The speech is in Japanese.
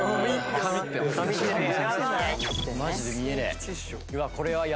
「マジで見えねえ」